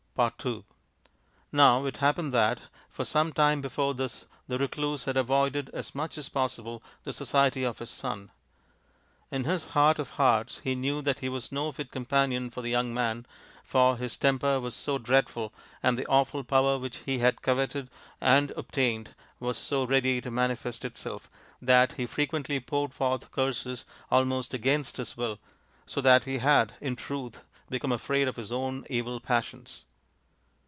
ii Now it happened that for some time before this the recluse had avoided, as much as possible, the society of his son. In his heart of hearts he knew that he was no fit companion for the young man, for THE GREAT DROUGHT 263 his temper was so dreadful, and the awful power which he had coveted and obtained was so ready to manifest itself that he frequently poured forth curses almost against his will so that he had, in truth, become afraid of his own evil passions.